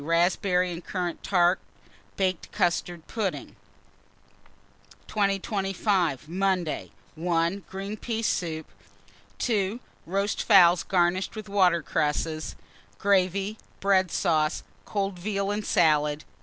Raspberry and currant tart, baked custard pudding. 2025. Monday. 1. Green pea soup. 2. Roast fowls garnished with water cresses; gravy, bread sauce; cold veal and salad.